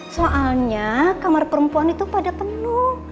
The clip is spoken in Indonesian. soalnya kamar perempuan itu pada penuh